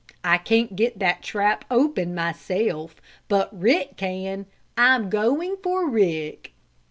I can't get that trap open myself. But Rick can! I'm going for Rick!"